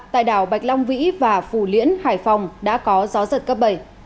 tại đảo bạch long vĩ và phủ liễn hải phòng đã có gió giật cấp bảy